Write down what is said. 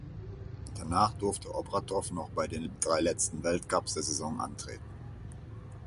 Danach durfte Obratov noch bei den drei letzten Weltcups der Saison antreten.